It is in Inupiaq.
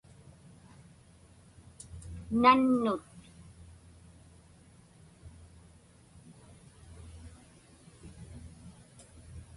nannut